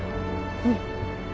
うん。